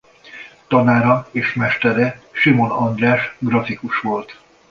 Tanára és mestere Simon András grafikus volt.